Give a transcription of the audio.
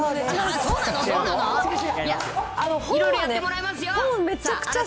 いろいろやってもらいますよ。